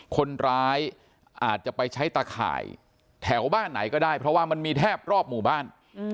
คนร้ายอาจจะไปใช้ตะข่ายแถวบ้านไหนก็ได้เพราะว่ามันมีแทบรอบหมู่บ้าน